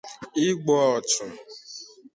igbu ọchụ